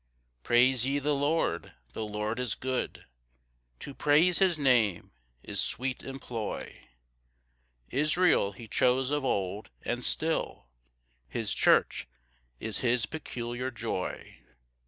2 Praise ye the Lord; the Lord is good; To praise his Name is sweet employ; Israel he chose of old, and still His church is his peculiar joy.